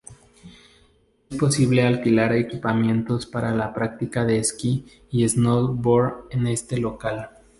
Es posible alquilar equipamientos para la práctica de esquí y snowboard en este local.